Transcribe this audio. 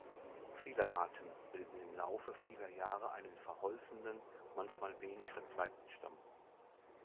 Viele Arten bilden im Laufe vieler Jahre einen verholzenden, manchmal wenig verzweigten Stamm.